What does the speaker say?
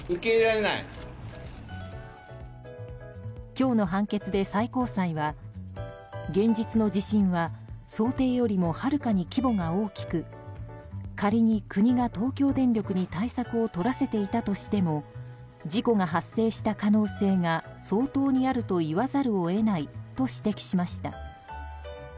今日の判決で、最高裁は現実の地震は想定よりもはるかに規模が大きく仮に国が東京電力に対策をとらせていたとしても事故が発生した可能性が相当にあると言わざるを得ないと指摘しました。